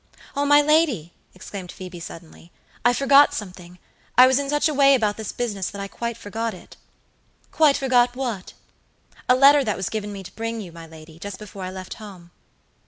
"Oh, my lady," exclaimed Phoebe, suddenly, "I forgot something; I was in such a way about this business that I quite forgot it." "Quite forgot what?" "A letter that was given me to bring to you, my lady, just before I left home."